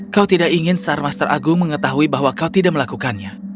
kau tidak ingin sar master agung mengetahui bahwa kau tidak melakukannya